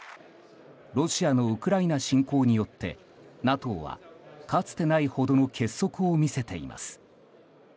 ロシアのウクライナ侵攻によってＮＡＴＯはかつてないほどの結束を見せています。